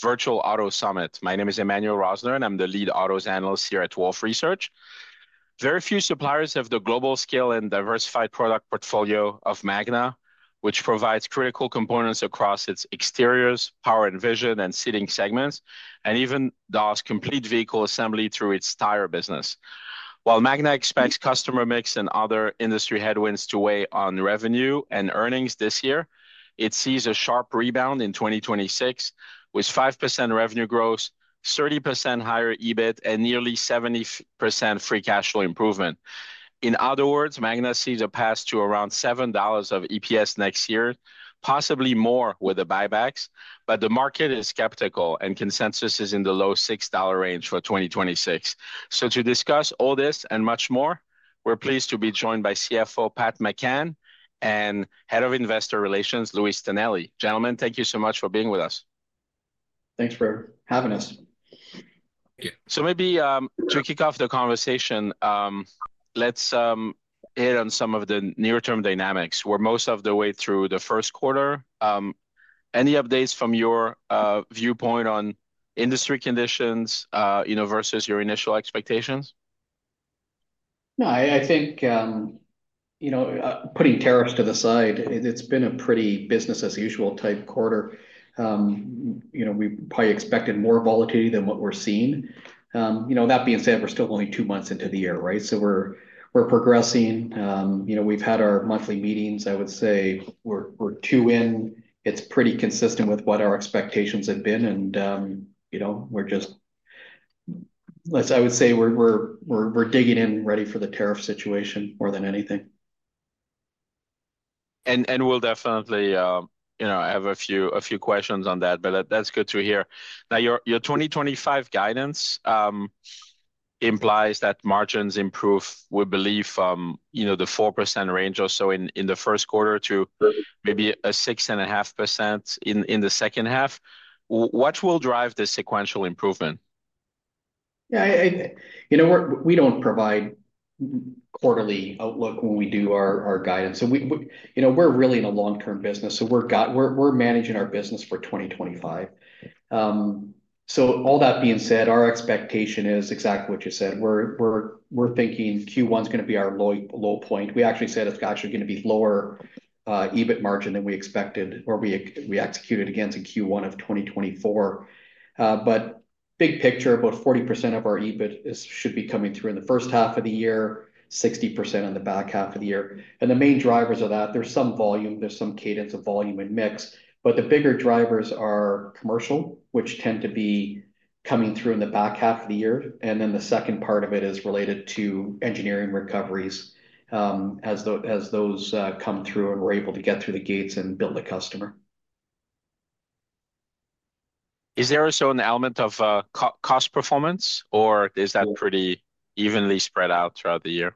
Virtual Auto Summit. My name is Emmanuel Rosner, and I'm the lead autos analyst here at Wolfe Research. Very few suppliers have the global scale and diversified product portfolio of Magna, which provides critical components across its exteriors, power and vision, and seating segments, and even does complete vehicle assembly through its tire business. While Magna expects customer mix and other industry headwinds to weigh on revenue and earnings this year, it sees a sharp rebound in 2026 with 5% revenue growth, 30% higher EBIT, and nearly 70% free cash flow improvement. In other words, Magna sees a pass to around $7 of EPS next year, possibly more with the buybacks, but the market is skeptical, and consensus is in the low $6 range for 2026. To discuss all this and much more, we're pleased to be joined by CFO Pat McCann and Head of Investor Relations, Louis Tonelli. Gentlemen, thank you so much for being with us. Thanks for having us. Maybe to kick off the conversation, let's hit on some of the near-term dynamics. We're most of the way through the first quarter. Any updates from your viewpoint on industry conditions versus your initial expectations? No, I think, you know, putting tariffs to the side, it's been a pretty business-as-usual type quarter. We probably expected more volatility than what we're seeing. That being said, we're still only two months into the year, right? We're progressing. We've had our monthly meetings. I would say we're two in. It's pretty consistent with what our expectations have been. We're just, I would say we're digging in ready for the tariff situation more than anything. We will definitely have a few questions on that, but that's good to hear. Now, your 2025 guidance implies that margins improve, we believe, from the 4% range or so in the first quarter to maybe a 6.5% in the second half. What will drive the sequential improvement? Yeah, you know, we don't provide quarterly outlook when we do our guidance. We're really in a long-term business. We're managing our business for 2025. All that being said, our expectation is exactly what you said. We're thinking Q1 is going to be our low point. We actually said it's actually going to be lower EBIT margin than we expected or we executed against in Q1 of 2024. Big picture, about 40% of our EBIT should be coming through in the first half of the year, 60% in the back half of the year. The main drivers of that, there's some volume, there's some cadence of volume and mix, but the bigger drivers are commercial, which tend to be coming through in the back half of the year. The second part of it is related to engineering recoveries as those come through and we're able to get through the gates and build a customer. Is there also an element of cost performance, or is that pretty evenly spread out throughout the year?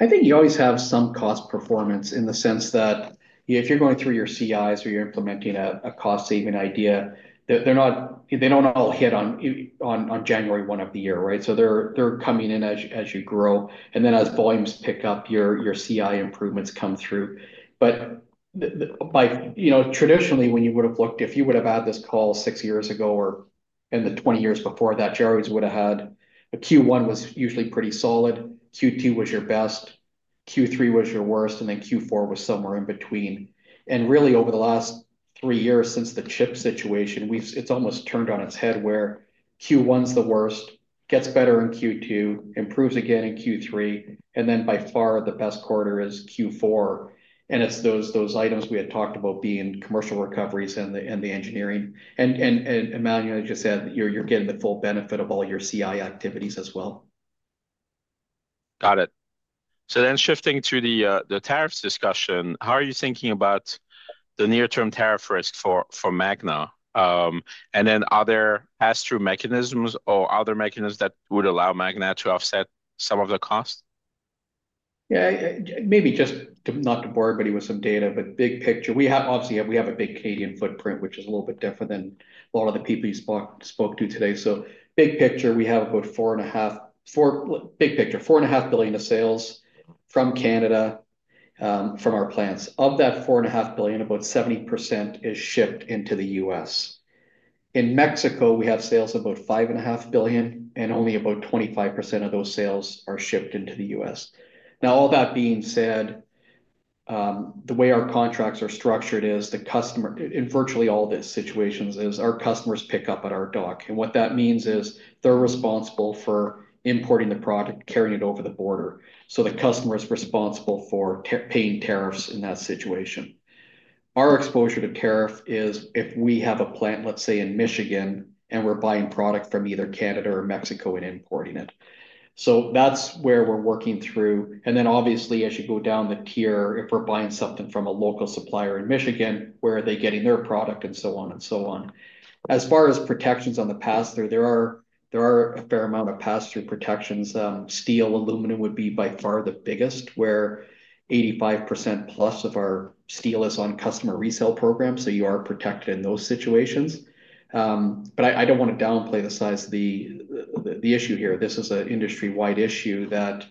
I think you always have some cost performance in the sense that if you're going through your CIs or you're implementing a cost-saving idea, they don't all hit on January 1 of the year, right? They're coming in as you grow. As volumes pick up, your CI improvements come through. Traditionally, when you would have looked, if you would have had this call six years ago or in the 20 years before that, you always would have had Q1 was usually pretty solid, Q2 was your best, Q3 was your worst, and Q4 was somewhere in between. Really, over the last three years since the chip situation, it's almost turned on its head where Q1 is the worst, gets better in Q2, improves again in Q3, and by far the best quarter is Q4. It is those items we had talked about being commercial recoveries and the engineering. Emmanuel, as you said, you are getting the full benefit of all your CI activities as well. Got it. So then shifting to the tariffs discussion, how are you thinking about the near-term tariff risk for Magna? And then are there pass-through mechanisms or other mechanisms that would allow Magna to offset some of the cost? Yeah, maybe just not to bore with some data, but big picture, we obviously have a big Canadian footprint, which is a little bit different than a lot of the people you spoke to today. Big picture, we have about $4.5 billion of sales from Canada from our plants. Of that $4.5 billion, about 70% is shipped into the U.S. In Mexico, we have sales of about $5.5 billion, and only about 25% of those sales are shipped into the U.S. All that being said, the way our contracts are structured is the customer, in virtually all these situations, is our customers pick up at our dock. What that means is they're responsible for importing the product, carrying it over the border. The customer is responsible for paying tariffs in that situation. Our exposure to tariff is if we have a plant, let's say in Michigan, and we're buying product from either Canada or Mexico and importing it. That's where we're working through. Obviously, as you go down the tier, if we're buying something from a local supplier in Michigan, where are they getting their product and so on and so on. As far as protections on the pass-through, there are a fair amount of pass-through protections. Steel, aluminum would be by far the biggest, where 85% plus of our steel is on customer resale programs. You are protected in those situations. I don't want to downplay the size of the issue here. This is an industry-wide issue that,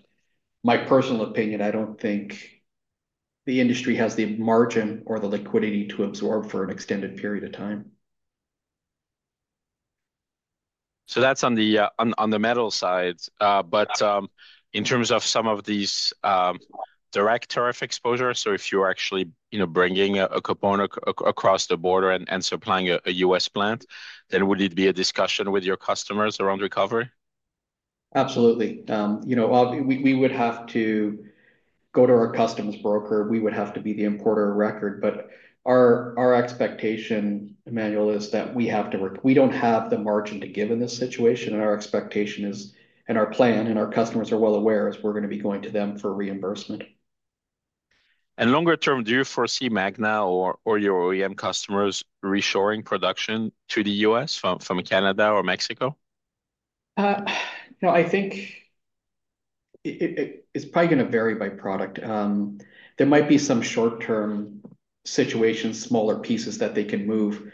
my personal opinion, I don't think the industry has the margin or the liquidity to absorb for an extended period of time. That is on the metal sides. In terms of some of these direct tariff exposures, if you are actually bringing a component across the border and supplying a U.S. plant, would it be a discussion with your customers around recovery? Absolutely. We would have to go to our customers' broker. We would have to be the importer of record. Our expectation, Emmanuel, is that we have to, we do not have the margin to give in this situation. Our expectation is, and our plan, and our customers are well aware, is we are going to be going to them for reimbursement. Longer term, do you foresee Magna or your OEM customers reshoring production to the U.S. from Canada or Mexico? I think it's probably going to vary by product. There might be some short-term situations, smaller pieces that they can move.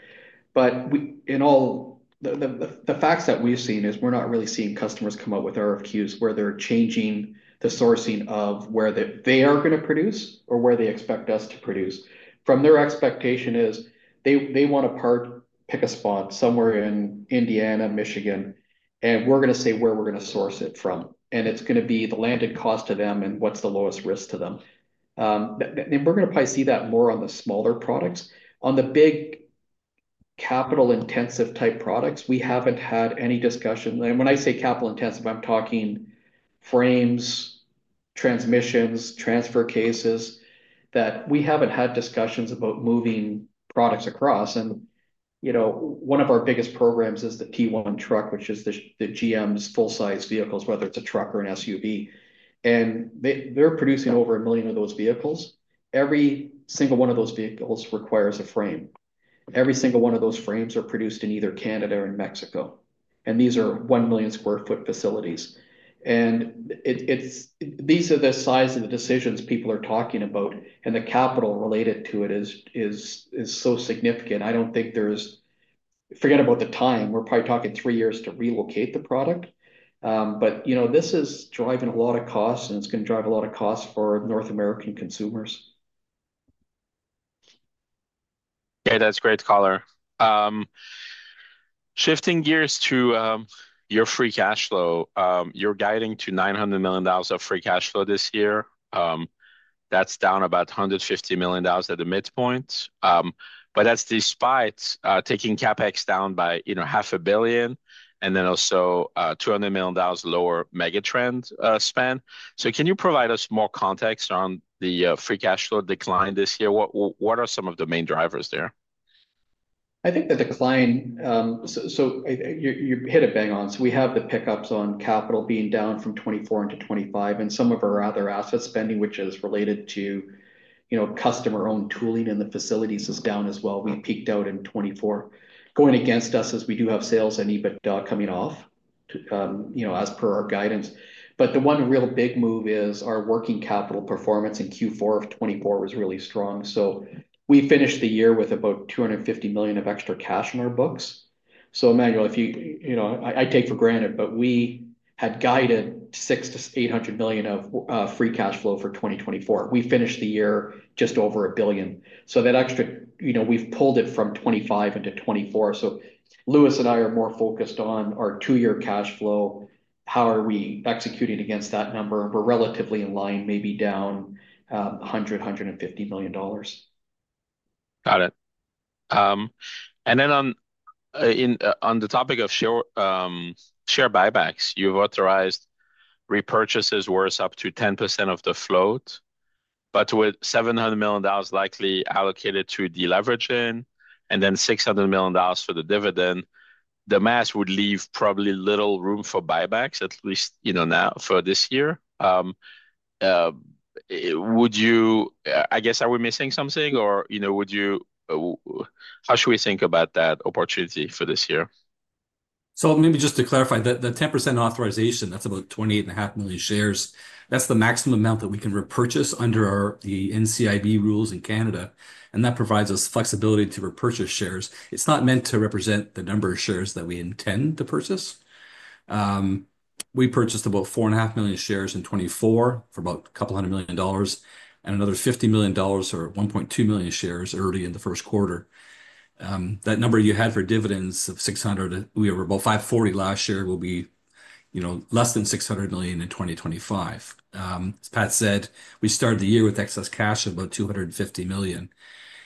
In all, the facts that we've seen is we're not really seeing customers come up with RFQs where they're changing the sourcing of where they are going to produce or where they expect us to produce. From their expectation is they want a part, pick a spot somewhere in Indiana, Michigan, and we're going to say where we're going to source it from. It's going to be the landed cost to them and what's the lowest risk to them. We're going to probably see that more on the smaller products. On the big capital-intensive type products, we haven't had any discussion. When I say capital-intensive, I'm talking frames, transmissions, transfer cases that we haven't had discussions about moving products across. One of our biggest programs is the T1 truck, which is the GM's full-size vehicles, whether it's a truck or an SUV. They are producing over a million of those vehicles. Every single one of those vehicles requires a frame. Every single one of those frames are produced in either Canada or in Mexico. These are 1 million sq ft facilities. These are the size of the decisions people are talking about. The capital related to it is so significant. I do not think there is, forget about the time. We are probably talking three years to relocate the product. This is driving a lot of costs, and it is going to drive a lot of costs for North American consumers. Yeah, that's great color. Shifting gears to your free cash flow, you're guiding to $900 million of free cash flow this year. That's down about $150 million at the midpoint. That is despite taking CapEx down by $500 million and then also $200 million lower Megatrend spend. Can you provide us more context on the free cash flow decline this year? What are some of the main drivers there? I think the decline, you hit it bang on. We have the pickups on CapEx being down from 2024 into 2025, and some of our other asset spending, which is related to customer-owned tooling in the facilities, is down as well. We peaked out in 2024. Going against us is we do have sales and EBIT coming off as per our guidance. The one real big move is our working capital performance in Q4 of 2024 was really strong. We finished the year with about $250 million of extra cash in our books. Emmanuel, I take for granted, but we had guided $600 million-$800 million of free cash flow for 2024. We finished the year just over $1 billion. That extra, we have pulled it from 2025 into 2024. Louis and I are more focused on our two-year cash flow. How are we executing against that number? We're relatively in line, maybe down $100 million-$150 million. Got it. On the topic of share buybacks, you've authorized repurchases worth up to 10% of the float, but with $700 million likely allocated to deleveraging and $600 million for the dividend, the math would leave probably little room for buybacks, at least now for this year. Would you, I guess, are we missing something or how should we think about that opportunity for this year? Maybe just to clarify, the 10% authorization, that's about 28.5 million shares. That's the maximum amount that we can repurchase under the NCIB rules in Canada. That provides us flexibility to repurchase shares. It's not meant to represent the number of shares that we intend to purchase. We purchased about 4.5 million shares in 2024 for about a couple hundred million dollars and another $50 million or 1.2 million shares early in the first quarter. That number you had for dividends of $600 million, we were about $540 million last year, will be less than $600 million in 2025. As Pat said, we started the year with excess cash of about $250 million.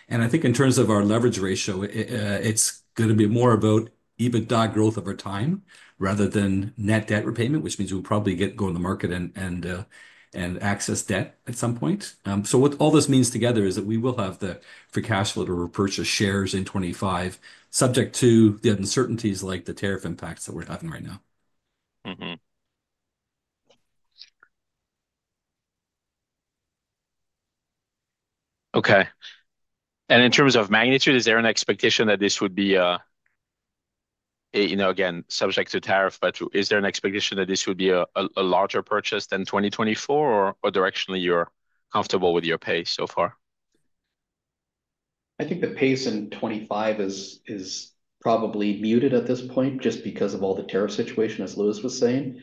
I think in terms of our leverage ratio, it's going to be more about EBITDA growth over time rather than net debt repayment, which means we'll probably go to the market and access debt at some point. What all this means together is that we will have the free cash flow to repurchase shares in 2025, subject to the uncertainties like the tariff impacts that we're having right now. Okay. In terms of magnitude, is there an expectation that this would be, again, subject to tariff, but is there an expectation that this would be a larger purchase than 2024 or directionally you're comfortable with your pace so far? I think the pace in 2025 is probably muted at this point just because of all the tariff situation, as Louis was saying.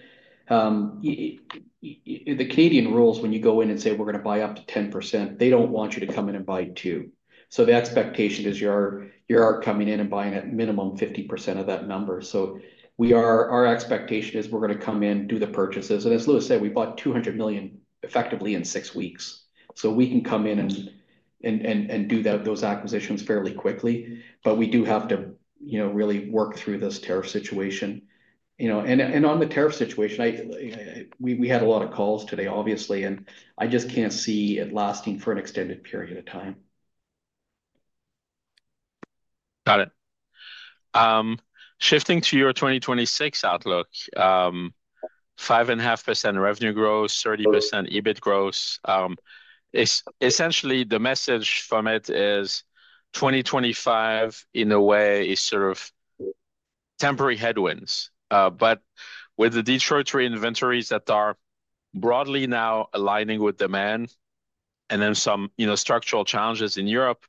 The Canadian rules, when you go in and say we're going to buy up to 10%, they don't want you to come in and buy two. The expectation is you are coming in and buying at minimum 50% of that number. Our expectation is we're going to come in, do the purchases. As Louis said, we bought $200 million effectively in six weeks. We can come in and do those acquisitions fairly quickly. We do have to really work through this tariff situation. On the tariff situation, we had a lot of calls today, obviously, and I just can't see it lasting for an extended period of time. Got it. Shifting to your 2026 outlook, 5.5% revenue growth, 30% EBIT growth. Essentially, the message from it is 2025, in a way, is sort of temporary headwinds. With the deteriorating inventories that are broadly now aligning with demand and then some structural challenges in Europe,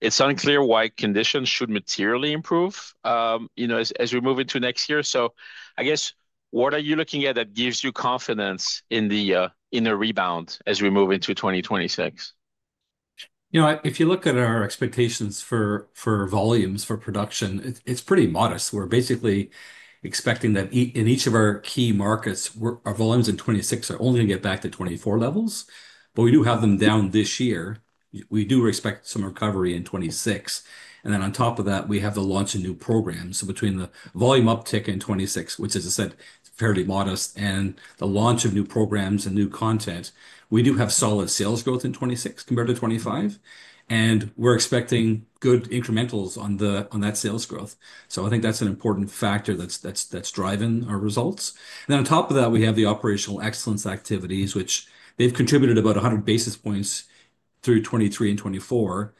it's unclear why conditions should materially improve as we move into next year. I guess, what are you looking at that gives you confidence in the rebound as we move into 2026? If you look at our expectations for volumes, for production, it's pretty modest. We're basically expecting that in each of our key markets, our volumes in 2026 are only going to get back to 2024 levels. We do have them down this year. We do expect some recovery in 2026. On top of that, we have the launch of new programs. Between the volume uptick in 2026, which, as I said, is fairly modest, and the launch of new programs and new content, we do have solid sales growth in 2026 compared to 2025. We're expecting good incrementals on that sales growth. I think that's an important factor that's driving our results. On top of that, we have the operational excellence activities, which have contributed about 100 basis points through 2023 and 2024.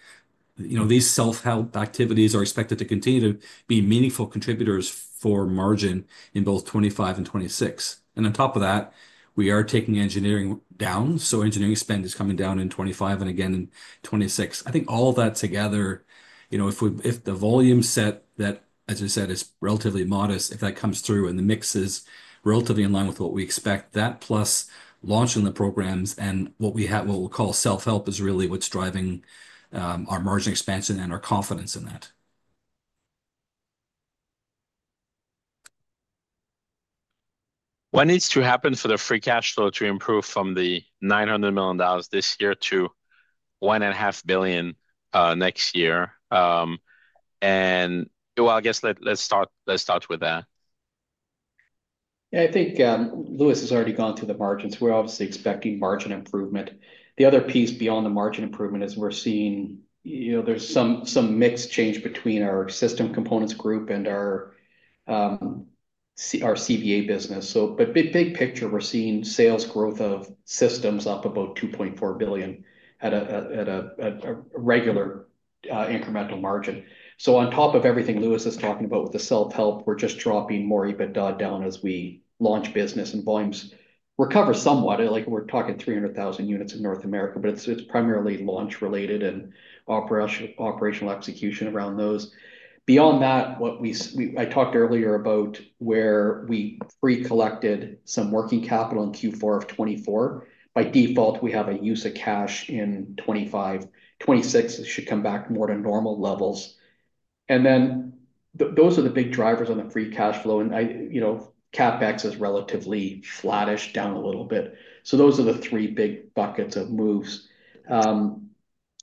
These self-help activities are expected to continue to be meaningful contributors for margin in both 2025 and 2026. On top of that, we are taking engineering down. Engineering spend is coming down in 2025 and again in 2026. I think all of that together, if the volume set that, as I said, is relatively modest, if that comes through and the mix is relatively in line with what we expect, that plus launching the programs and what we call self-help is really what's driving our margin expansion and our confidence in that. What needs to happen for the free cash flow to improve from the $900 million this year to $1.5 billion next year? I guess let's start with that. Yeah, I think Louis has already gone to the margins. We're obviously expecting margin improvement. The other piece beyond the margin improvement is we're seeing there's some mix change between our system components group and our CVA business. Big picture, we're seeing sales growth of systems up about $2.4 billion at a regular incremental margin. On top of everything Louis is talking about with the self-help, we're just dropping more EBITDA down as we launch business and volumes recover somewhat. We're talking 300,000 units in North America, but it's primarily launch-related and operational execution around those. Beyond that, what I talked earlier about where we pre-collected some working capital in Q4 of 2024, by default, we have a use of cash in 2025. 2026 should come back more to normal levels. Those are the big drivers on the free cash flow. CapEx is relatively flattish, down a little bit. Those are the three big buckets of moves. As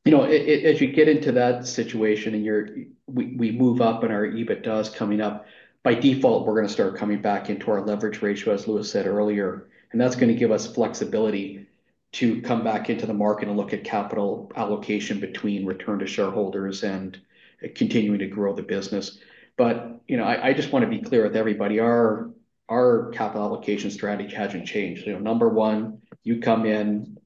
you get into that situation and we move up in our EBITDAs coming up, by default, we're going to start coming back into our leverage ratio, as Louis said earlier. That's going to give us flexibility to come back into the market and look at capital allocation between return to shareholders and continuing to grow the business. I just want to be clear with everybody, our capital allocation strategy hasn't changed. Number one, you come in,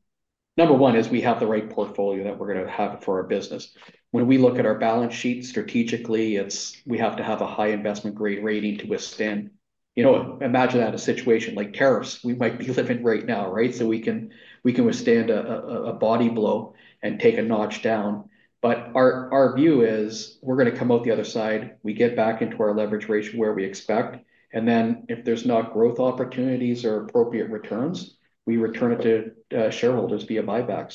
number one is we have the right portfolio that we're going to have for our business. When we look at our balance sheet strategically, we have to have a high investment grade rating to withstand. Imagine that in a situation like tariffs, we might be living right now, right? We can withstand a body blow and take a notch down. Our view is we're going to come out the other side, we get back into our leverage ratio where we expect, and then if there's not growth opportunities or appropriate returns, we return it to shareholders via buyback.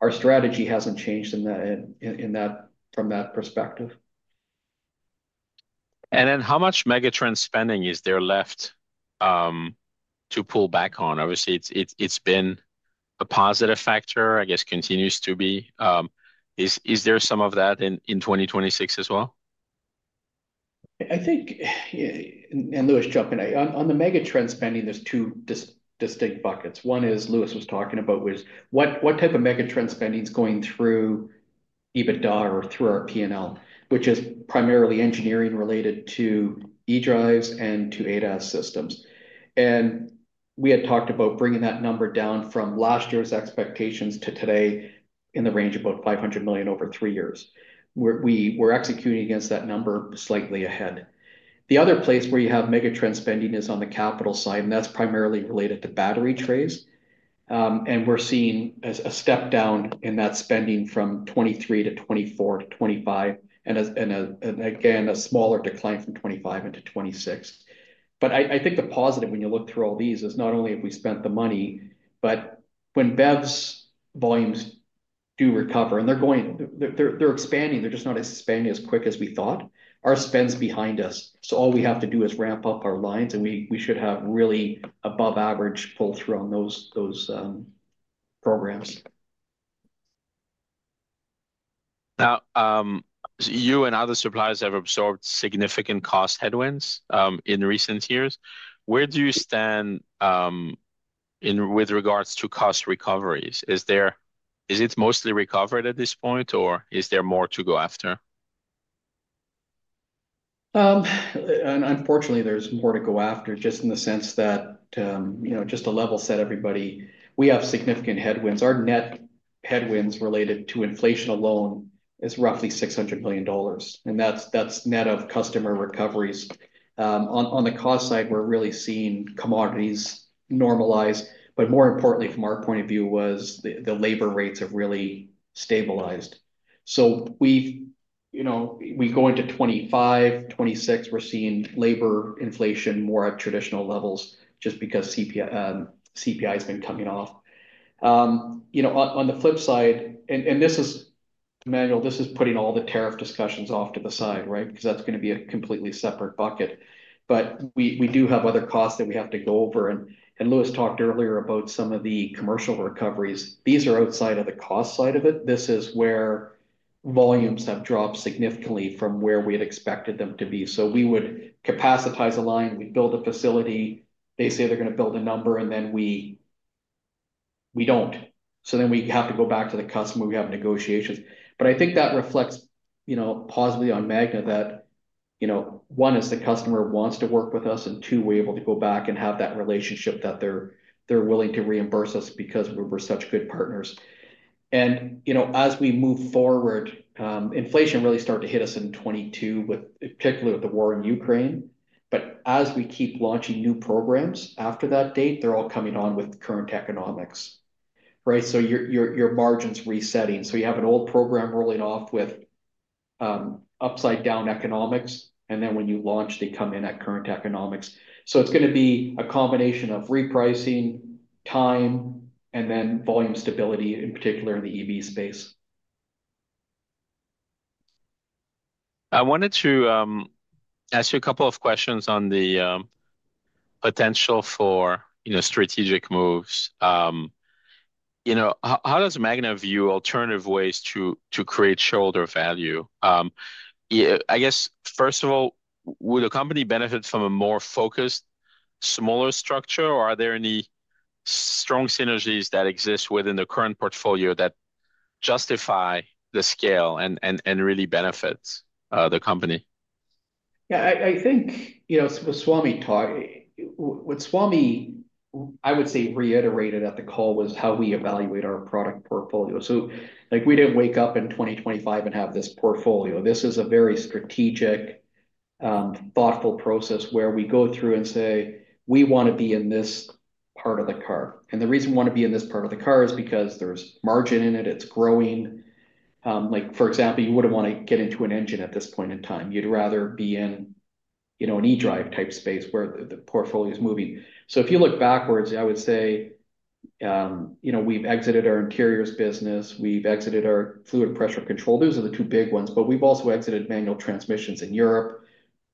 Our strategy hasn't changed from that perspective. How much Megatrend spending is there left to pull back on? Obviously, it's been a positive factor, I guess continues to be. Is there some of that in 2026 as well? I think, and Louis jumping on, on the Megatrend spending, there are two distinct buckets. One is Louis was talking about was what type of Megatrend spending is going through EBITDA or through our P&L, which is primarily engineering related to eDrives and to ADAS systems. We had talked about bringing that number down from last year's expectations to today in the range of about $500 million over three years. We are executing against that number slightly ahead. The other place where you have Megatrend spending is on the capital side, and that is primarily related to battery trays. We are seeing a step down in that spending from 2023 to 2024 to 2025, and again, a smaller decline from 2025 into 2026. I think the positive when you look through all these is not only have we spent the money, but when BEVs volumes do recover and they're expanding, they're just not expanding as quick as we thought, our spend's behind us. All we have to do is ramp up our lines, and we should have really above average pull-through on those programs. Now, you and other suppliers have absorbed significant cost headwinds in recent years. Where do you stand with regards to cost recoveries? Is it mostly recovered at this point, or is there more to go after? Unfortunately, there's more to go after just in the sense that just to level set everybody, we have significant headwinds. Our net headwinds related to inflation alone is roughly $600 million. That's net of customer recoveries. On the cost side, we're really seeing commodities normalize, but more importantly, from our point of view, was the labor rates have really stabilized. We go into 2025, 2026, we're seeing labor inflation more at traditional levels just because CPI has been coming off. On the flip side, Emmanuel, this is putting all the tariff discussions off to the side, right? That's going to be a completely separate bucket. We do have other costs that we have to go over. Louis talked earlier about some of the commercial recoveries. These are outside of the cost side of it. This is where volumes have dropped significantly from where we had expected them to be. We would capacitize a line, we'd build a facility, they say they're going to build a number, and then we don't. We have to go back to the customer, we have negotiations. I think that reflects positively on Magna that one, the customer wants to work with us, and two, we're able to go back and have that relationship that they're willing to reimburse us because we were such good partners. As we move forward, inflation really started to hit us in 2022, particularly with the war in Ukraine. As we keep launching new programs after that date, they're all coming on with current economics, right? Your margin's resetting. You have an old program rolling off with upside down economics, and then when you launch, they come in at current economics. It is going to be a combination of repricing, time, and then volume stability, in particular in the EV space. I wanted to ask you a couple of questions on the potential for strategic moves. How does Magna view alternative ways to create shareholder value? I guess, first of all, would a company benefit from a more focused, smaller structure, or are there any strong synergies that exist within the current portfolio that justify the scale and really benefit the company? Yeah, I think what Swamy, I would say, reiterated at the call was how we evaluate our product portfolio. We did not wake up in 2025 and have this portfolio. This is a very strategic, thoughtful process where we go through and say, we want to be in this part of the car. The reason we want to be in this part of the car is because there is margin in it, it is growing. For example, you would not want to get into an engine at this point in time. You would rather be in an eDrive type space where the portfolio is moving. If you look backwards, I would say we have exited our interiors business, we have exited our fluid pressure control. Those are the two big ones, but we have also exited manual transmissions in Europe.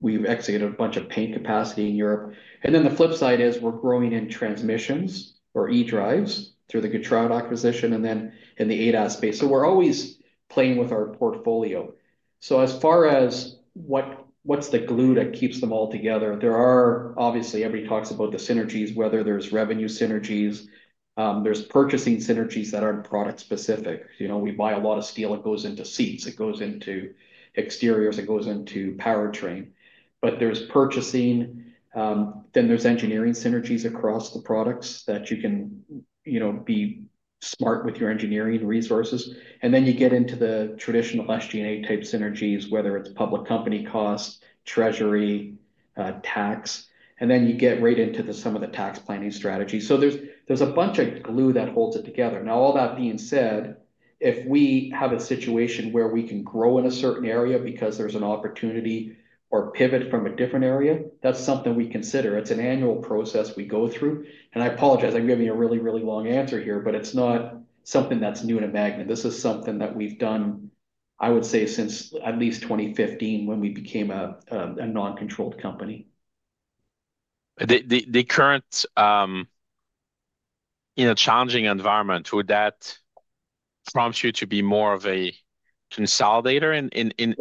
We have exited a bunch of paint capacity in Europe. The flip side is we're growing in transmissions or eDrives through the Getrag acquisition and then in the ADAS space. We're always playing with our portfolio. As far as what's the glue that keeps them all together, obviously everybody talks about the synergies, whether there's revenue synergies, there's purchasing synergies that aren't product specific. We buy a lot of steel that goes into seats, it goes into exteriors, it goes into powertrain. There's purchasing, then there's engineering synergies across the products that you can be smart with your engineering resources. Then you get into the traditional SG&A type synergies, whether it's public company cost, treasury, tax, and then you get right into some of the tax planning strategy. There's a bunch of glue that holds it together. Now, all that being said, if we have a situation where we can grow in a certain area because there's an opportunity or pivot from a different area, that's something we consider. It's an annual process we go through. I apologize, I'm giving you a really, really long answer here, but it's not something that's new to Magna. This is something that we've done, I would say, since at least 2015 when we became a non-controlled company. The current challenging environment, would that prompt you to be more of a consolidator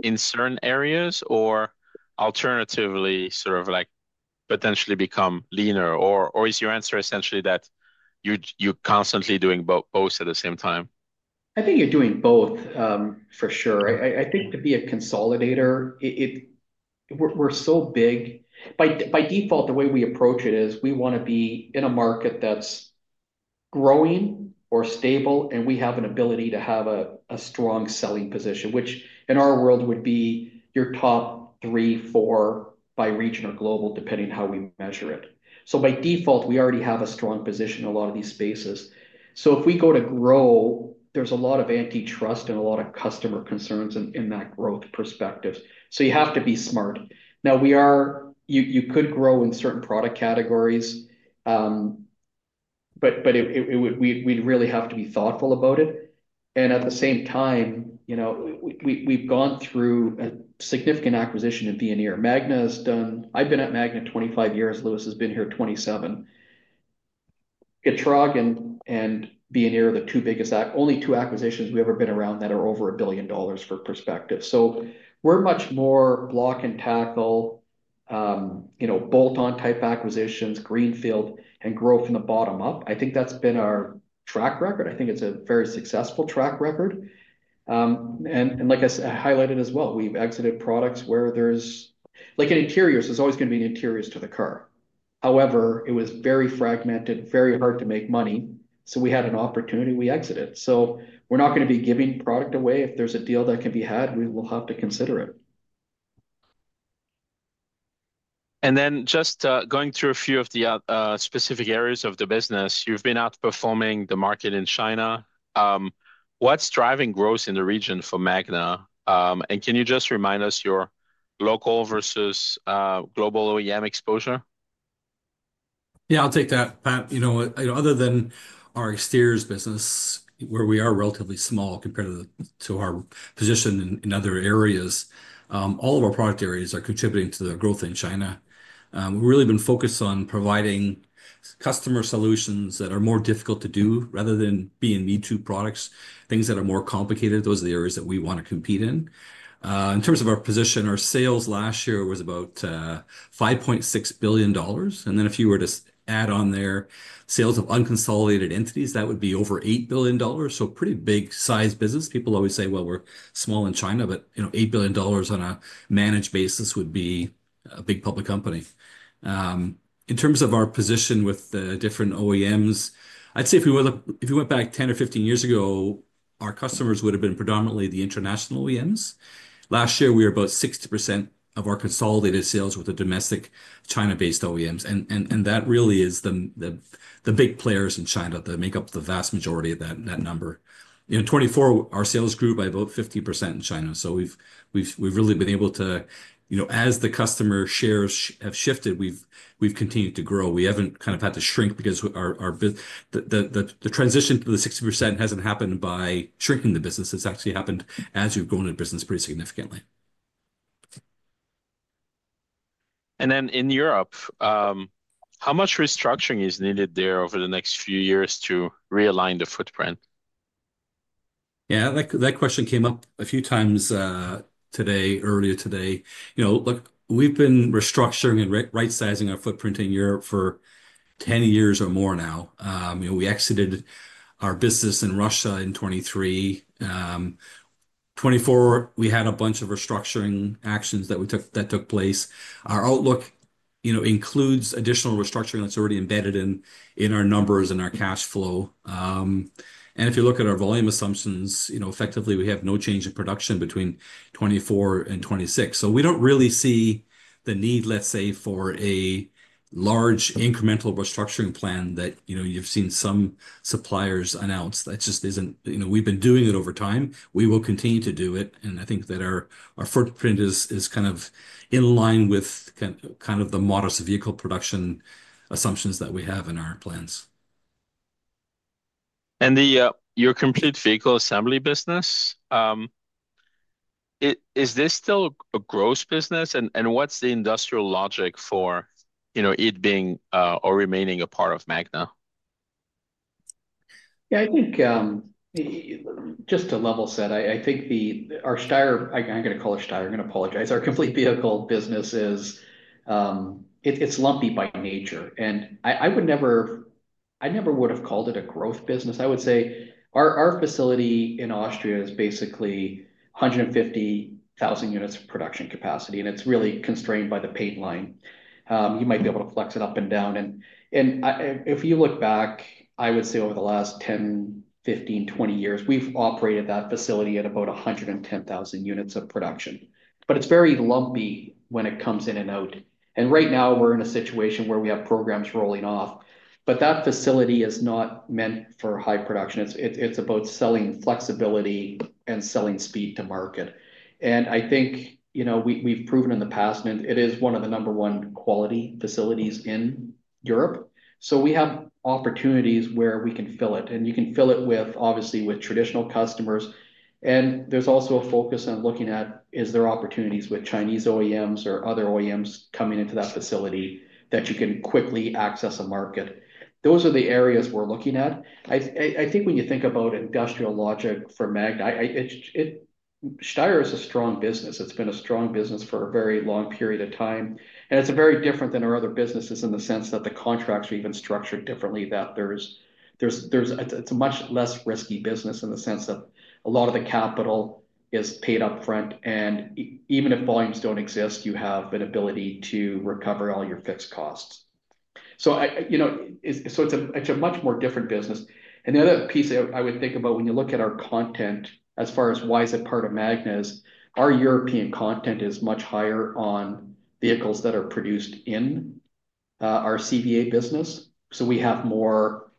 in certain areas or alternatively sort of potentially become leaner? Or is your answer essentially that you're constantly doing both at the same time? I think you're doing both for sure. I think to be a consolidator, we're so big. By default, the way we approach it is we want to be in a market that's growing or stable, and we have an ability to have a strong selling position, which in our world would be your top three, four by region or global, depending on how we measure it. By default, we already have a strong position in a lot of these spaces. If we go to grow, there's a lot of antitrust and a lot of customer concerns in that growth perspective. You have to be smart. You could grow in certain product categories, but we'd really have to be thoughtful about it. At the same time, we've gone through a significant acquisition in Veoneer. Magna has done, I've been at Magna 25 years, Louis has been here 27. Getrag and Veoneer are the two biggest, only two acquisitions we've ever been around that are over $1 billion for perspective. We are much more block and tackle, bolt-on type acquisitions, greenfield, and grow from the bottom up. I think that's been our track record. I think it's a very successful track record. Like I highlighted as well, we've exited products where there's, like in interiors, there's always going to be an interiors to the car. However, it was very fragmented, very hard to make money. We had an opportunity, we exited. We are not going to be giving product away. If there's a deal that can be had, we will have to consider it. Just going through a few of the specific areas of the business, you've been outperforming the market in China. What's driving growth in the region for Magna? Can you just remind us your local versus global OEM exposure? Yeah, I'll take that. You know, other than our Exteriors business, where we are relatively small compared to our position in other areas, all of our product areas are contributing to the growth in China. We've really been focused on providing customer solutions that are more difficult to do rather than being me-too products, things that are more complicated. Those are the areas that we want to compete in. In terms of our position, our sales last year was about $5.6 billion. If you were to add on there sales of unconsolidated entities, that would be over $8 billion. Pretty big size business. People always say, well, we're small in China, but $8 billion on a managed basis would be a big public company. In terms of our position with the different OEMs, I'd say if we went back 10 or 15 years ago, our customers would have been predominantly the international OEMs. Last year, we were about 60% of our consolidated sales with the domestic China-based OEMs. That really is the big players in China that make up the vast majority of that number. In 2024, our sales grew by about 50% in China. We have really been able to, as the customer shares have shifted, continue to grow. We have not kind of had to shrink because the transition to the 60% has not happened by shrinking the business. It has actually happened as we have grown in business pretty significantly. In Europe, how much restructuring is needed there over the next few years to realign the footprint? Yeah, that question came up a few times today, earlier today. We've been restructuring and right-sizing our footprint in Europe for 10 years or more now. We exited our business in Russia in 2023. In 2024, we had a bunch of restructuring actions that took place. Our outlook includes additional restructuring that's already embedded in our numbers and our cash flow. If you look at our volume assumptions, effectively, we have no change in production between 2024 and 2026. We don't really see the need, let's say, for a large incremental restructuring plan that you've seen some suppliers announce. That just isn't, we've been doing it over time. We will continue to do it. I think that our footprint is kind of in line with kind of the modest vehicle production assumptions that we have in our plans. Your complete vehicle assembly business, is this still a gross business? What is the industrial logic for it being or remaining a part of Magna? Yeah, I think just to level set, I think our Steyr, I'm going to call it Steyr, I apologize, our complete vehicle business is, it's lumpy by nature. I never would have called it a growth business. I would say our facility in Austria is basically 150,000 units of production capacity, and it's really constrained by the paint line. You might be able to flex it up and down. If you look back, I would say over the last 10, 15, 20 years, we've operated that facility at about 110,000 units of production. It's very lumpy when it comes in and out. Right now, we're in a situation where we have programs rolling off, but that facility is not meant for high production. It's about selling flexibility and selling speed to market. I think we've proven in the past, it is one of the number one quality facilities in Europe. We have opportunities where we can fill it. You can fill it, obviously, with traditional customers. There's also a focus on looking at, is there opportunities with Chinese OEMs or other OEMs coming into that facility that you can quickly access a market? Those are the areas we're looking at. I think when you think about industrial logic for Magna, Steyr is a strong business. It's been a strong business for a very long period of time. It's very different than our other businesses in the sense that the contracts are even structured differently, that it's a much less risky business in the sense that a lot of the capital is paid upfront. Even if volumes do not exist, you have an ability to recover all your fixed costs. It is a much more different business. The other piece I would think about when you look at our content, as far as why is it part of Magna, is our European content is much higher on vehicles that are produced in our CVA business. We have more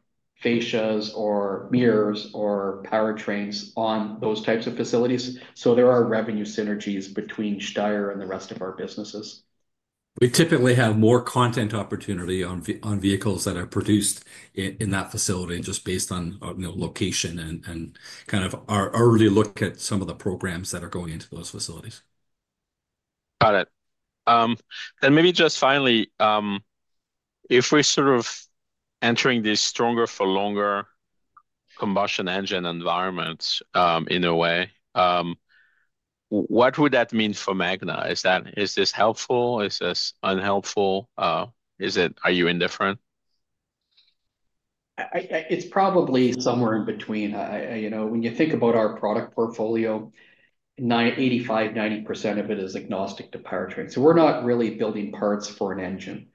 fascias or mirrors or powertrains on those types of facilities. There are revenue synergies between Steyr and the rest of our businesses. We typically have more content opportunity on vehicles that are produced in that facility just based on location and kind of our early look at some of the programs that are going into those facilities. Got it. Maybe just finally, if we're sort of entering this stronger for longer combustion engine environment in a way, what would that mean for Magna? Is this helpful? Is this unhelpful? Are you indifferent? It's probably somewhere in between. When you think about our product portfolio, 85-90% of it is agnostic to powertrain. So, we're not really building parts for an engine.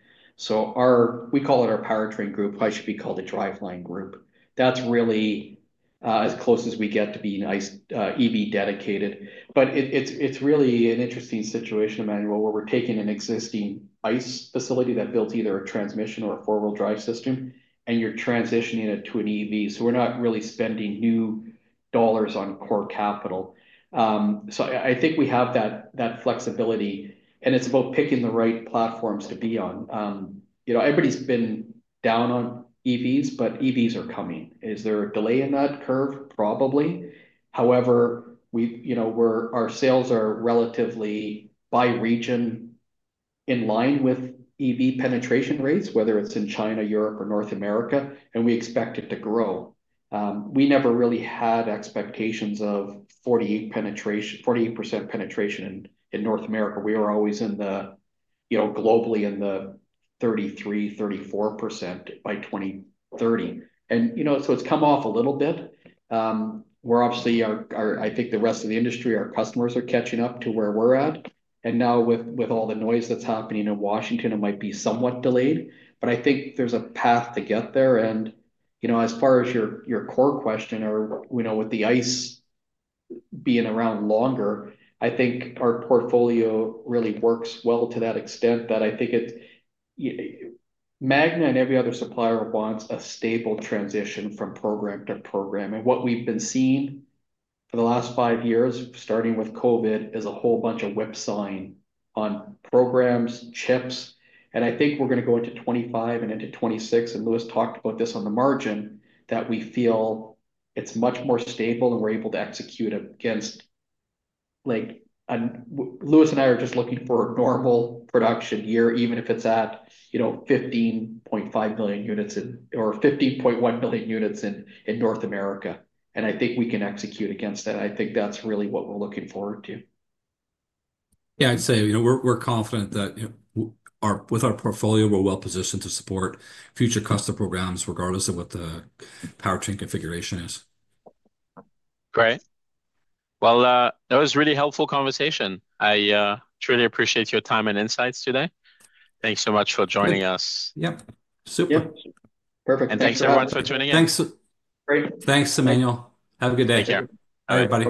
We call it our powertrain group. It should be called a driveline group. That's really as close as we get to being EV dedicated. It's really an interesting situation, Magna, where we're taking an existing ICE facility that built either a transmission or a four-wheel drive system, and you're transitioning it to an EV. We're not really spending new dollars on core capital. I think we have that flexibility, and it's about picking the right platforms to be on. Everybody's been down on EVs, but EVs are coming. Is there a delay in that curve? Probably. However, our sales are relatively by region in line with EV penetration rates, whether it's in China, Europe, or North America, and we expect it to grow. We never really had expectations of 48% penetration in North America. We were always globally in the 33-34% by 2030. It has come off a little bit. Obviously, I think the rest of the industry, our customers are catching up to where we're at. Now, with all the noise that's happening in Washington, it might be somewhat delayed. I think there's a path to get there. As far as your core question or with the ICE being around longer, I think our portfolio really works well to that extent that I think Magna and every other supplier wants a stable transition from program to program. What we've been seeing for the last five years, starting with COVID, is a whole bunch of whip-sawing on programs, chips. I think we're going to go into 2025 and into 2026. Louis talked about this on the margin that we feel it's much more stable and we're able to execute against. Louis and I are just looking for a normal production year, even if it's at 15.5 million units or 15.1 million units in North America. I think we can execute against that. I think that's really what we're looking forward to. Yeah, I'd say we're confident that with our portfolio, we're well positioned to support future customer programs regardless of what the powertrain configuration is. Great. That was a really helpful conversation. I truly appreciate your time and insights today. Thanks so much for joining us. Yep. Super. Perfect. Thanks everyone for tuning in. Thanks. Thanks, Emmanuel. Have a good day. Take care. Bye everybody.